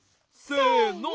せの。